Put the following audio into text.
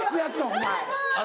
お前。